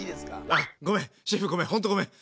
あっごめんシェフごめんほんとごめん。